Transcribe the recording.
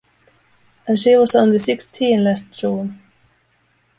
And she was only sixteen last June.